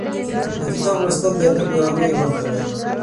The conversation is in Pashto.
د کتاب لوستل د ادب یوه لویه برخه ده.